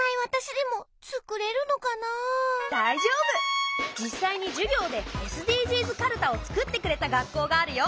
けど実際に授業でＳＤＧｓかるたをつくってくれた学校があるよ。